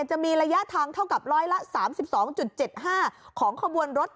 จะมีระยะทางเท่ากับร้อยละ๓๒๗๕ของขบวนรถ